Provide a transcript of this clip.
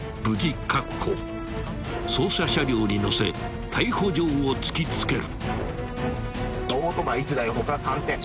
［捜査車両に乗せ逮捕状を突き付ける］